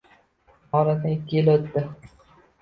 Oradan ikki yil o`tdi